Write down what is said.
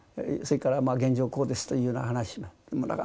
それから現状はこうですというような話も。